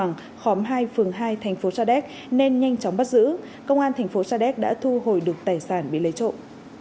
trong khoảng khoảng hai phường hai tp sadec nên nhanh chóng bắt giữ công an tp sadec đã thu hồi được tài sản bị lấy trộn